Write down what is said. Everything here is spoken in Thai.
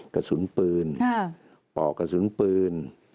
กระสุนปืนปอกกระสุนปืน